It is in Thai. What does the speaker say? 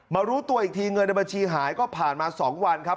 รู้ตัวอีกทีเงินในบัญชีหายก็ผ่านมา๒วันครับ